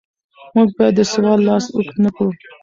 موږ باید د سوال لاس اوږد نکړو.